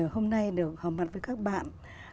hôm nay đều hòa mặt với các bạn